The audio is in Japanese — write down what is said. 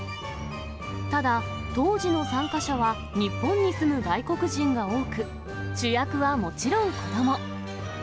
ただ、当時の参加者は日本に住む外国人が多く、主役はもちろん子ども。